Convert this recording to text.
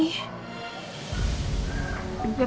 emangnya kamu pasti diundang